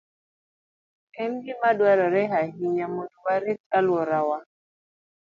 En gima dwarore ahinya mondo warit alworawa.